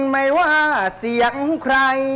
ไม่ว่าเสียงใคร